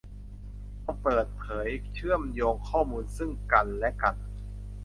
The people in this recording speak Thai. ต้องเปิดเผยเชื่อมโยงข้อมูลซึ่งกันและกัน